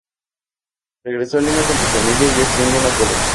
Regresó a Lima con su familia ya siendo una joven.